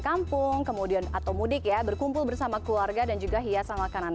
kampung kemudian atau mudik ya berkumpul bersama keluarga dan juga hiasan makanan